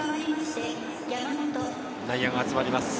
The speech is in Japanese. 内野が集まります。